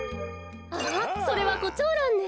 あっそれはコチョウランね。